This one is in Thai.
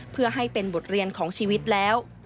เพื่อให้เป็นบทเรียนของชีวิตแล้ว